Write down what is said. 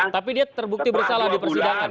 tapi dia terbukti bersalah di persidangan